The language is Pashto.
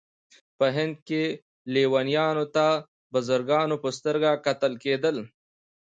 په هند کې لیونیانو ته د بزرګانو په سترګه کتل کېدل.